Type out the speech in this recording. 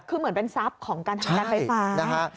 คือเหมือนเป็นทรัพย์ของการทำการไฟฟ้านะฮะ